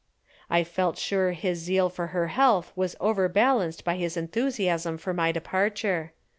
I felt sure his zeal for her health was overbalanced by his enthusiasm for my departure.